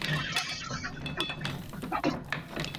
A "wet bow" results from seawater washing over the top of the hull.